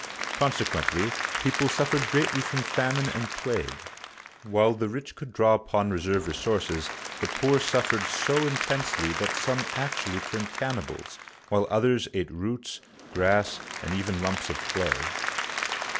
Consequently, people suffered greatly from famine and plague. While the rich could draw upon reserve resources, the poor suf fered so intensely that some actually turned cannibals, while others ate roots, grass, and even lumps of clay.